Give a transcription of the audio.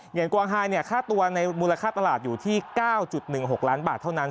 อย่างกวางไฮค่าตัวในมูลค่าตลาดอยู่ที่๙๑๖ล้านบาทเท่านั้น